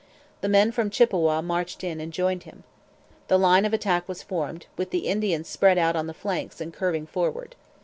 The men from Chippawa marched in and joined him. The line of attack was formed, with the Indians spread out on the flanks and curving forward.